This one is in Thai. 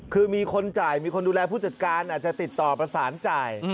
คือมีคนจ่ายมีคนดูแลผู้จัดการอาจจะติดต่อประสานจ่าย